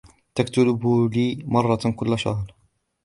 تكتب لي مرةً كل شهر.